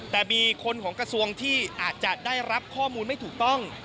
แต่มีคนของกระทรวงที่อาจจะได้รับข้อมูลไม่ถูกต้อง